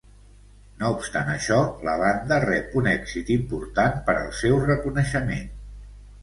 No obstant això, la banda rep un èxit important per al seu reconeixement.